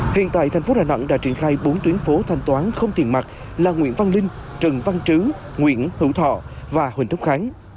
hiện tại thành phố đà nẵng đã triển khai bốn tuyến phố thanh toán không tiền mặt là nguyễn văn linh trần văn trứ nguyễn hữu thọ và huỳnh thúc kháng